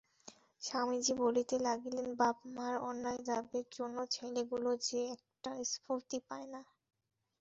স্বামীজী বলিতে লাগিলেন বাপ-মার অন্যায় দাবের জন্য ছেলেগুলো যে একটা স্ফূর্তি পায় না।